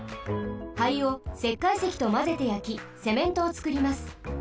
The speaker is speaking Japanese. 灰をせっかいせきとまぜてやきセメントをつくります。